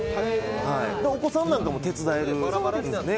お子さんなんかも手伝えますね